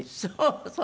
そう。